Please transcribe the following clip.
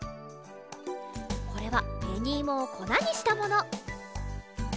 これはべにいもをこなにしたもの。